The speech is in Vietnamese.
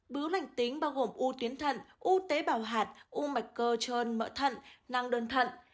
bưu lành tính bao gồm u tuyến thận u tế bào hạt u mạch cơ trơn mỡ thận năng đơn thận